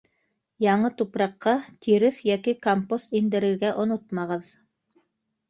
Яңы тупраҡҡа тиреҫ йәки компост индерергә онотмағыҙ.